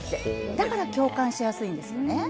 だから共感しやすいんですよね。